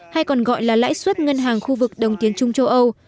hay còn gọi là lãi suất ngân hàng khu vực đồng tiền chung châu âu